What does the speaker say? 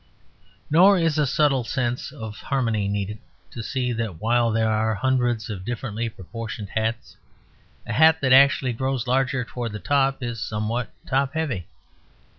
Nor is a subtle sense of harmony needed to see that while there are hundreds of differently proportioned hats, a hat that actually grows larger towards the top is somewhat top heavy.